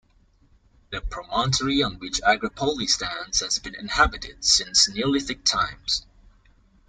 The promontory on which Agropoli stands has been inhabited since Neolithic times.